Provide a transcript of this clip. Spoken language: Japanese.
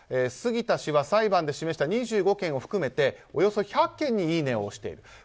杉田氏は裁判で示した２５件を含めておよそ１００件にいいねを押している。